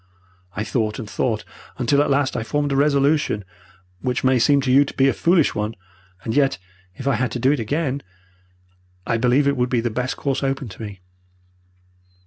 I thought and thought until at last I formed a resolution which may seem to you to be a foolish one, and yet, if I had to do it again, I believe it would be the best course open to me.